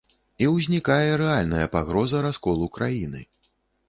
І ўзнікае рэальная пагроза расколу краіны.